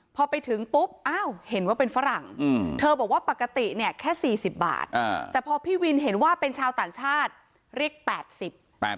พอไปถึงปุ๊บอ้าวเห็นว่าเป็นฝรั่งเธอบอกว่าปกติเนี่ยแค่สี่สิบบาทอ่าแต่พอพี่วินเห็นว่าเป็นชาวต่างชาติเรียกแปดสิบแปด